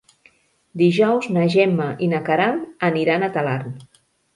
Dijous na Gemma i na Queralt aniran a Talarn.